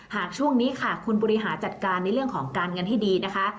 ช่วงนี้ค่ะคุณบริหารจัดการในเรื่องของการเงินให้ดีนะคะ